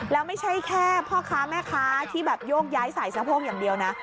แล้วไม่ใช่แค่พ่อค้าแม่ค้าที่แบบโยกย้ายใส่สะโพกอย่างเดียวนะ